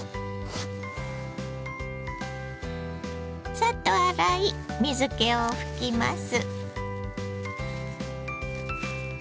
サッと洗い水けを拭きます。